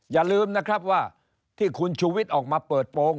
อย่าลืมนะครับว่าที่คุณชูวิทย์ออกมาเปิดโปรง